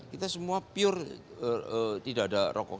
kita semua pure tidak ada rokok